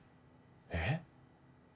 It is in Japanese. えっ？